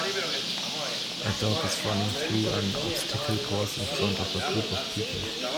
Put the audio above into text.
A dog is running through an obstacle course in front of a group of people.